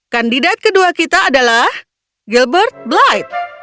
kandidat kedua kita adalah gilbert blight